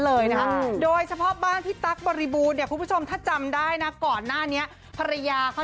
เลยนะคะโดยเฉพาะบ้านพี่ตั๊กบริบูรณ์เนี่ยคุณผู้ชมถ้าจำได้นะก่อนหน้านี้ภรรยาเขา